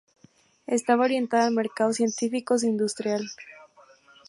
Estaba orientada al mercado científicos e industrial.